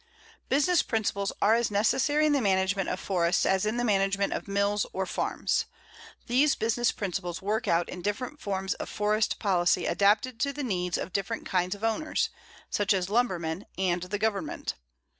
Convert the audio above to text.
Business principles are as necessary in the management of forests as in the management of mills or farms. These business principles work out in different forms of forest policy adapted to the needs of different kinds of owners, such as lumbermen and the Government.